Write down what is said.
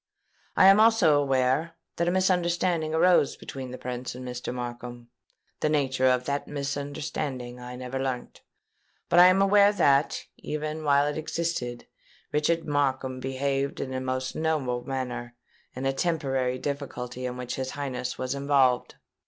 I am also aware that a misunderstanding arose between the Prince and Mr. Markham: the nature of that misunderstanding I never learnt; but I am aware that, even while it existed, Richard Markham behaved in the most noble manner in a temporary difficulty in which his Highness was involved.